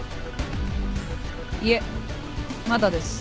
いえまだです。